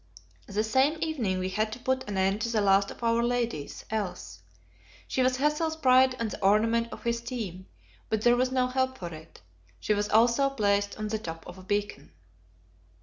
The same evening we had to put an end to the last of our ladies Else. She was Hassel's pride and the ornament of his team; but there was no help for it. She was also placed at the top of a beacon.